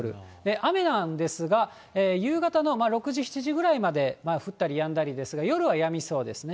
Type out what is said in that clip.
雨なんですが、夕方の６時、７時ぐらいまで降ったりやんだりですが、夜はやみそうですね。